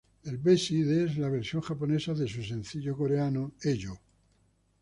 El B-Side es la versión japonesa de su sencillo coreano "Hello".